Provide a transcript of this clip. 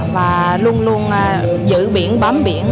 và luôn luôn giữ biển bám biển